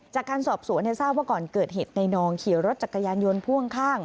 จากการสอบสวนทราบว่าก่อนเกิดเหตุในนองขี่รถจักรยานยนต์พ่วงข้าง